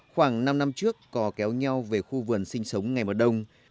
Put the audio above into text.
khoảng năm năm trước cò kéo nhau về khu vườn sinh sống ngày mờ đông